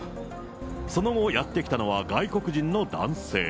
その後、やって来たのは外国人の男性。